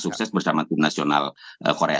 sukses bersama tim nasional korea